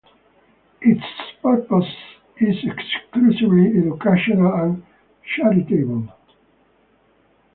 Its purpose is exclusively educational and charitable.